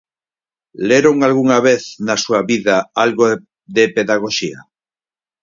¿Leron algunha vez na súa vida algo de pedagoxía?